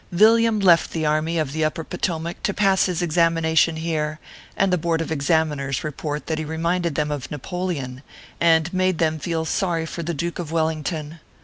Villiam left the army of the Upper Potomac to pass his examination here, and the Board of Examiners report that he reminded them of Napoleon, and made them feel sorry for the Duke of Wellington.